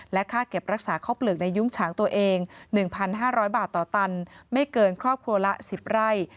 ค่าเก็บรักษาข้าวเปลือกในยุ้งฉางตัวเอง๑๕๐๐บาทต่อตันไม่เกินครอบครัวละ๑๐ไร่